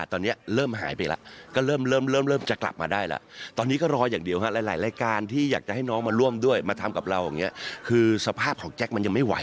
ต้องให้กำลังใจกันไม่ทิ้งกันอยู่ละครับ